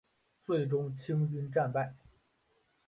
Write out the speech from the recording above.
最终清军战败。